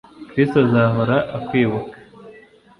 Chris azahora akwibuka